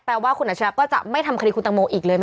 ว่าคุณอัชริยะก็จะไม่ทำคดีคุณตังโมอีกเลยไหม